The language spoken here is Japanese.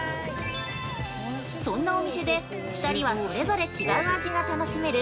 そんなお店で２人はそれぞれ違う味が楽しめる